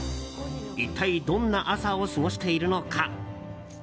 一体どんな朝を過ごしているのか。